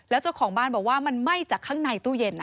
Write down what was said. แล้วเจ้าของบ้านบอกว่ามันไหม้จากข้างในตู้เย็น